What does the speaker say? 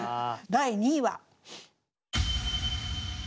第２位は。